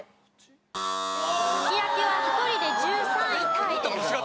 すき焼きは１人で１３位タイです。